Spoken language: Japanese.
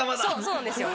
そうなんですよ